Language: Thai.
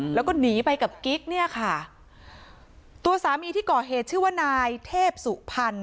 แล้วก็หนีไปกับกิ๊กเนี่ยค่ะตัวสามีที่ก่อเหตุชื่อว่านายเทพสุพรรณ